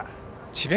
智弁